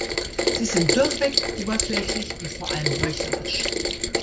Sie sind durchweg oberflächlich und vor allem heuchlerisch.